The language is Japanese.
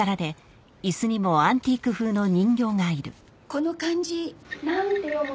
この漢字なんて読むんだっけ？